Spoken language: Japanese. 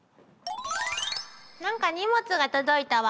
なんか荷物が届いたわ。